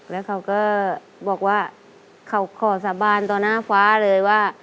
แล้วเขาก็บอกว่าเขาขอสาบานต่อหน้าฟ้าเลยว่า